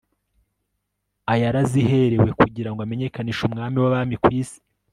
ayaraziherewe kugira ngo amenyekanishe umwami w'abami ku isi